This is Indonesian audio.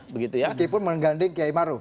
meskipun mengganding kiai maruf